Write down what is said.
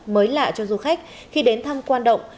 mới lạ cho du khách khi đến thăm quan động